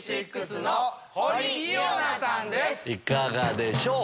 いかがでしょう？